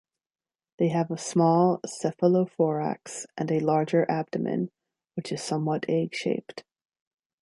They have a small cephalothorax and a larger abdomen, which is somewhat egg-shaped.